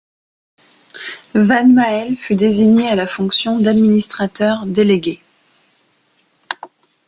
Van Maele fut désigné à la fonction d'administrateur délégué.